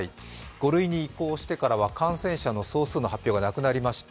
５類に移行してからは感染者の総数の発表がなくなりました。